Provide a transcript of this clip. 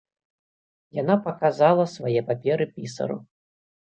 Яна паказала свае паперы пісару.